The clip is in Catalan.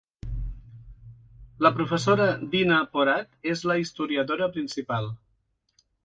La professora Dina Porat és la historiadora principal.